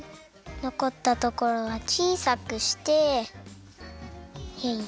のこったところはちいさくしてよいしょ。